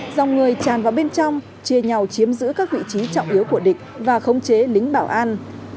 dòng người tràn vào bên trong chia nhau chiếm giữ các vị trí trọng yếu của địch và khống chế lính bảo an